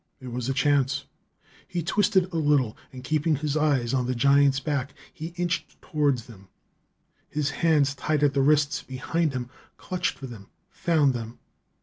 It was a chance! He twisted a little, and keeping his eyes on the giant's back, he inched toward them. His hands, tied at the wrists behind him, clutched for them; found them.